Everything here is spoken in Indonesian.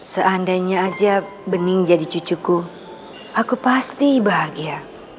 seandainya aja bening jadi cucuku aku pasti bahagia